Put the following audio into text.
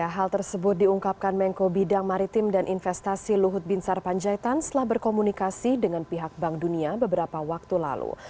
hal tersebut diungkapkan mengko bidang maritim dan investasi luhut bin sarpanjaitan setelah berkomunikasi dengan pihak bank dunia beberapa waktu lalu